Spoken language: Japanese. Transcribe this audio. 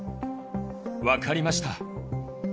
分かりました。